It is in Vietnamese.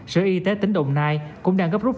sở y tế tỉnh đồng nai cũng đang gấp rút